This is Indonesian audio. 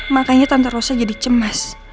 makanya tante rosa jadi cemas